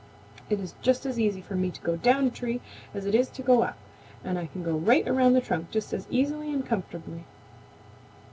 It is just as easy for me to go down a tree as it is to go up, and I can go right around the trunk just as easily and comfortably."